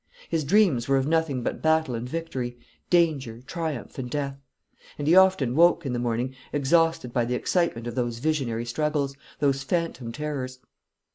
His dreams were of nothing but battle and victory, danger, triumph, and death; and he often woke in the morning exhausted by the excitement of those visionary struggles, those phantom terrors.